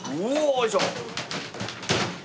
よいしょ！